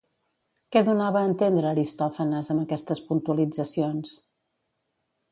Què donava a entendre Aristòfanes amb aquestes puntualitzacions?